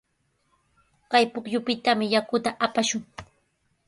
Kay pukyupitami yakuta apashun.